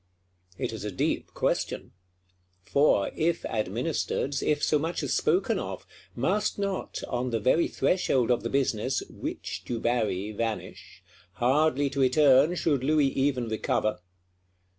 It is a deep question. For, if administered, if so much as spoken of, must not, on the very threshold of the business, Witch Dubarry vanish; hardly to return should Louis even recover?